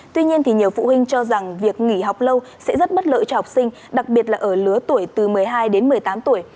tuy nhiên thì nhiều phụ huynh cho rằng việc nghỉ học lâu sẽ rất bất lợi cho học sinh đặc biệt là ở lứa tuổi từ một mươi hai đến một mươi tám tuổi